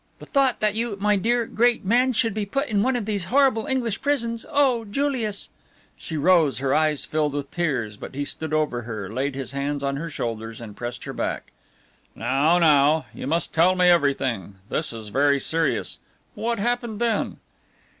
The thought that you, my dear, great man, should be put in one of these horrible English prisons oh, Julius!" She rose, her eyes filled with tears, but he stood over her, laid his hands on her shoulders and pressed her back. "Now, now. You must tell me everything. This is very serious. What happened then?"